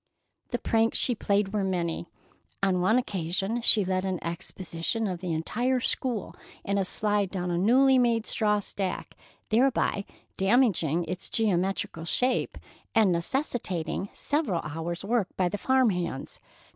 The pranks she played were many. On one occasion she led an expedition of the entire school in a slide down a newly made straw stack, thereby damaging its geometrical shape and necessitating several hours' work by the farmhands.